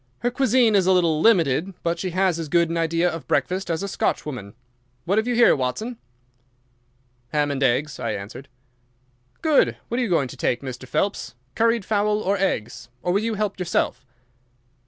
"Her cuisine is a little limited, but she has as good an idea of breakfast as a Scotch woman. What have you here, Watson?" "Ham and eggs," I answered. "Good! What are you going to take, Mr. Phelps—curried fowl or eggs, or will you help yourself?"